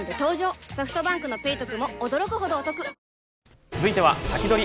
ソフトバンクの「ペイトク」も驚くほどおトク続いてはサキドリ！